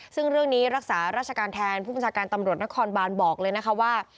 ซึ่งเรื่องนี้รักษาราชการแทนผู้บัญชาการตำรวจนครบานบอกเลยนะคะว่า